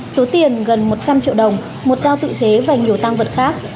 số tiền gần một trăm linh triệu đồng một dao tự chế và nhiều tăng vật khác